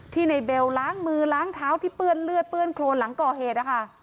ในเบลล้างมือล้างเท้าที่เปื้อนเลือดเปื้อนโครนหลังก่อเหตุนะคะ